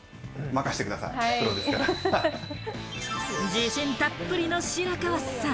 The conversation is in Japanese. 自信たっぷりの白川さん。